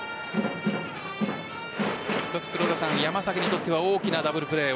一つ山崎にとっては大きなダブルプレー。